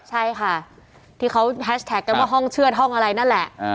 ใช่ค่ะที่เขาแฮชแท็กกันว่าห้องเชื่อดห้องอะไรนั่นแหละ